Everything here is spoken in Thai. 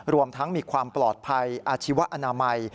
รวมทั้งมีความปลอดภัยอาชีวอนามัย